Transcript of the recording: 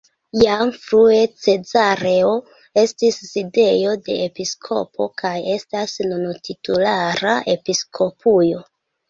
Jam frue Cezareo estis sidejo de episkopo, kaj estas nun titulara episkopujo.